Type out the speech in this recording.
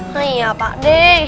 nih ya pak d